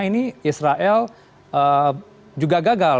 ini israel juga gagal